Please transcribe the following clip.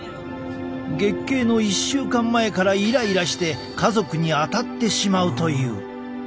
月経の１週間前からイライラして家族に当たってしまうという。